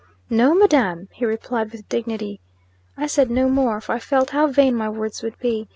"No, madam!" he replied with dignity. I said no more, for I felt how vain my words would be.